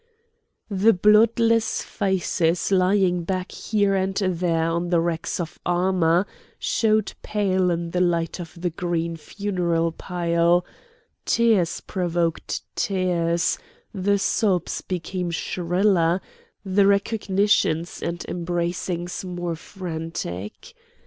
The bloodless faces lying back here and there on wrecks of armour showed pale in the light of the great funeral pile; tears provoked tears, the sobs became shriller, the recognitions and embracings more frantic.